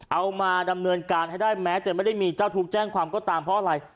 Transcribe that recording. เอามาดำเนินการให้ได้แม้จะไม่ได้มีเจ้าทุกข์แจ้งความก็ตามเพราะอะไร